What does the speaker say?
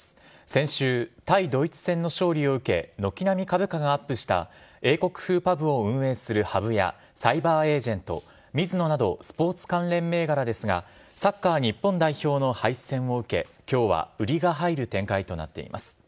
先週、対ドイツ戦の勝利を受け、軒並み株価がアップした英国風パブを運営するＨＵＢや、サイバーエージェント、ミズノなど、スポーツ関連銘柄ですが、サッカー日本代表の敗戦を受け、きょうは売りが入る展開となっています。